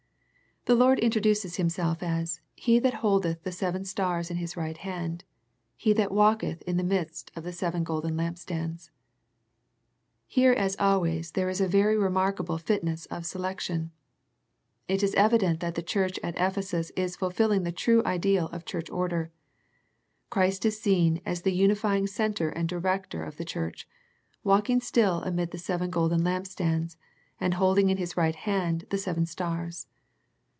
The Lord introduces Himself as " He that holdeth the seven stars in His right hand, He that walketh in the midst of the seven golden lampstands." Here as always there is a very remarkable fitness of selection. It is evident that the church at Ephesus is fulfilling the true ideal of Church order. Christ is seen as the unifying Centre and Director of the church, walking still amid the seven golden lampstands, and holding in His right hand the seven stars.